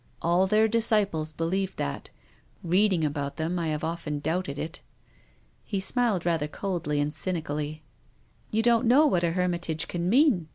All their disciples believed that. Reading about them I have often doubted it." He smiled rather coldly and cynically. " You don't know what a hermitage can mean.